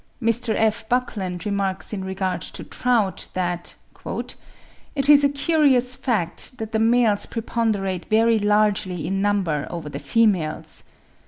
Mr. F. Buckland remarks in regard to trout, that "it is a curious fact that the males preponderate very largely in number over the females.